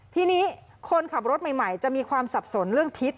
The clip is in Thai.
ทีนี้คนขับรถใหม่จะมีความสับสนเรื่องทิศ